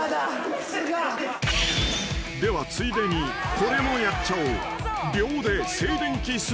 ［ではついでにこれもやっちゃおう］